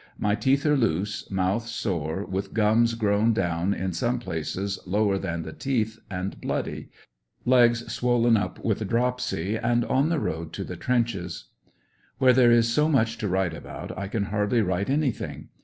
My teeth are loose, mouth sore, with gums grown down in some places lower than the teeth and bloody, legs swollen up with dropsy and on the road to the trenches. Where there is so much to write about, I can hardly write anything.